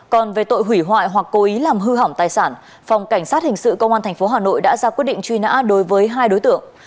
còn về tội hủy hoại hoặc cố ý làm hư hỏng tài sản phòng cảnh sát hình sự công an tp hà nội đã ra quyết định truy nã đối với hai đối tượng